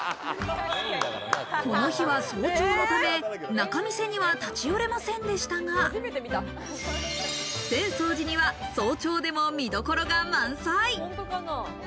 この日は早朝のため仲見世には立ち寄れませんでしたが、浅草寺には早朝でも見どころが満載。